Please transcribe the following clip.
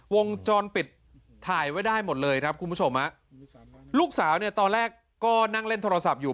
วงจรปิดถ่ายไว้ได้หมดเลยครับคุณผู้ชมฮะลูกสาวเนี่ยตอนแรกก็นั่งเล่นโทรศัพท์อยู่